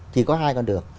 thì có hai con đường